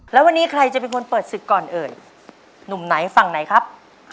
แล้ววันนี้ใครจะเป็นคนเปิดศึกก่อนเอ่ยหนุ่มไหนฝั่งไหนครับ